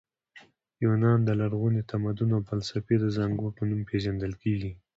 یونان د لرغوني تمدن او فلسفې د زانګو په نوم پېژندل کیږي.